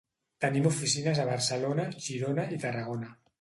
Tenim oficines a Barcelona, Girona i Tarragona.